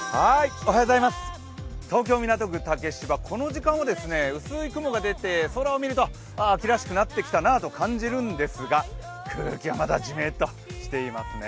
東京・港区竹芝、この時間は薄い雲が出て、空を見ると、秋らしくなってきたなと感じるんですが、空気はまだジメッとしていますね。